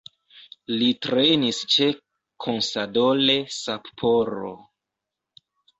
Li trejnis ĉe Consadole Sapporo.